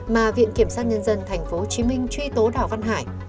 mà viện kiểm sát nhân dân tp hcm truy tố đào văn hải